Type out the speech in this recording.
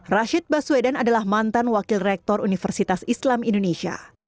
rashid baswedan adalah mantan wakil rektor universitas islam indonesia